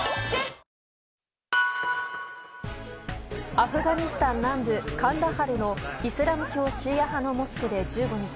アフガニスタン南部カンダハルのイスラム教シーア派のモスクで１５日